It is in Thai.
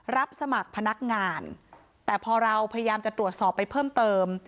รับสมัครพนักงานแต่พอเราพยายามจะตรวจสอบไปเพิ่มเติม